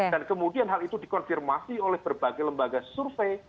dan kemudian hal itu dikonfirmasi oleh berbagai lembaga survei